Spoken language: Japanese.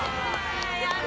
やった！